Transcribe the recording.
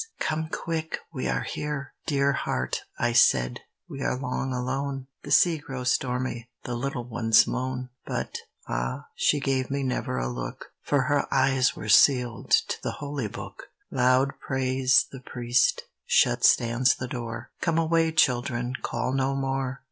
come quick, we are here! Dear heart," I said, "we are long alone; The sea grows stormy, the little ones moan." But, ah, she gave me never a look, For her eyes were sealed to the holy book! Loud prays the priest; shut stands the door. Come away, children, call no more!